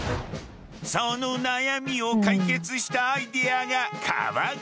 その悩みを解決したアイデアが川越にある。